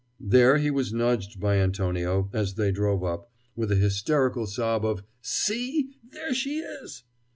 There he was nudged by Antonio, as they drove up, with a hysterical sob of "See! There she is!"